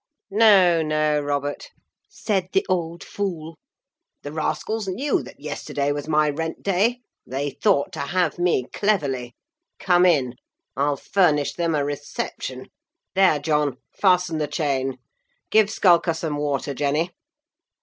'No, no, Robert,' said the old fool. 'The rascals knew that yesterday was my rent day: they thought to have me cleverly. Come in; I'll furnish them a reception. There, John, fasten the chain. Give Skulker some water, Jenny.